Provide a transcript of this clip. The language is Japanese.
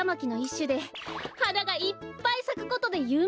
しゅではながいっぱいさくことでゆうめいなんです。